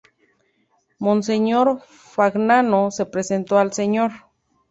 Monseñor Fagnano se presentó al Sr.